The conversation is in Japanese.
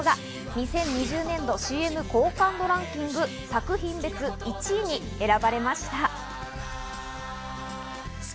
２０２０年度ＣＭ好感度ランキング作品別１位に選ばれました。